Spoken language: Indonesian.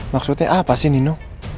maksudnya apa sih nino